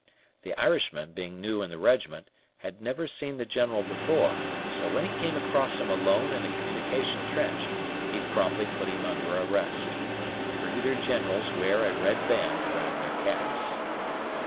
The Irishman, being new in the regiment, had never seen the General before, so when he came across him alone in a communication trench, he promptly put him under arrest. Brigadier generals wear a red band around their caps.